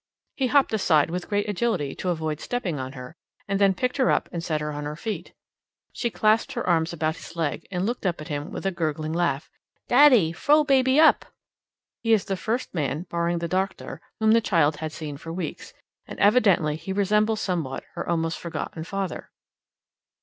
He hopped aside with great agility to avoid stepping on her, and then picked her up and set her on her feet. She clasped her arms about his leg, and looked up at him with a gurgling laugh. "Daddy! Frow baby up!" He is the first man, barring the doctor, whom the child has seen for weeks, and evidently he resembles somewhat her almost forgotten father.